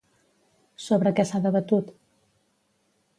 Sobre què s'ha debatut?